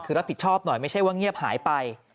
คือรับผิดชอบหน่อยไม่ใช่ว่าเงียบหายไป